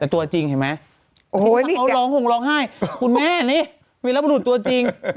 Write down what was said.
แต่ตัวจริงเห็นไหมโอ้โหถ้าเขาร้องคงร้องไห้คุณแม่นี่วีรบรุษตัวจริง